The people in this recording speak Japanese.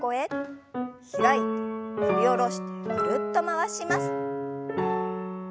開いて振り下ろしてぐるっと回します。